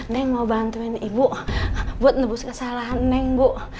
neng mau bantuin ibu buat nebus kesalahan neng bu